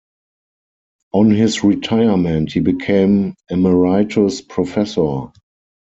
On his retirement, he became Emeritus Professor.